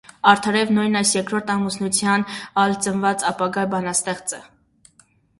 Արդարեւ նոյն այս երկրորդ ամուսնութենէն ալ ծնաւ ապագայ բանաստեղծը։